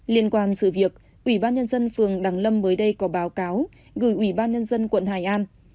liên quan sự việc ubnd phường đăng lâm mới đây có báo cáo gửi ubnd quận hải an